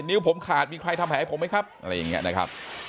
นิ้วผมขาดมีใครทำแผลให้ผมไหมครับอะไรอย่างนี้นะครับ